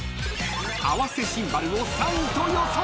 ［合わせシンバルを３位と予想］